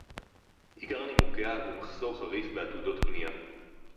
עיקר נימוקיה הוא מחסור חריף בעתודות בנייה